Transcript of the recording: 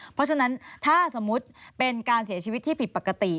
เพราะฉะนั้นถ้าสมมุติเป็นการเสียชีวิตที่ผิดปกติ